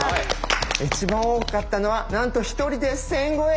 一番多かったのはなんと１人で１，０００超え！